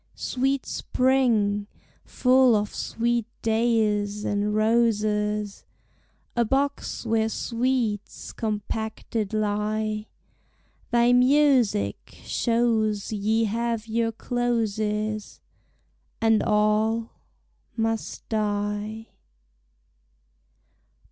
Sweet Spring, full of sweet dayes and roses, A box where sweets compacted lie, Thy musick shows ye have your closes, And all must die.